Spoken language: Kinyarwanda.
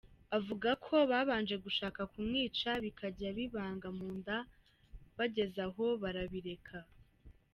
Avuga ko babanje gushaka kumwica, bikajya bibanga mu nda bageze aho barabireka.